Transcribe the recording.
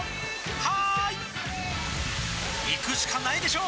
「はーい」いくしかないでしょ！